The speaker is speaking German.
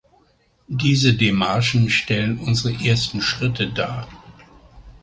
Diese Demarchen stellen unsere ersten Schritte dar.